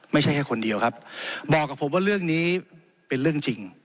ไม่ใช่แค่คนเดียวครับบอกกับผมว่าเรื่องนี้เป็นเรื่องจริง